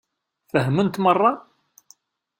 Fehment meṛṛa?